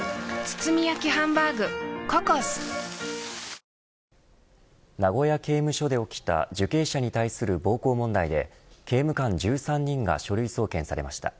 はじまる名古屋刑務所で起きた受刑者に対する暴行問題で刑務官１３人が書類送検されました。